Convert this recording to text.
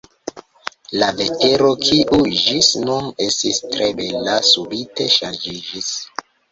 La vetero, kiu ĝis nun estis tre bela, subite ŝanĝiĝis.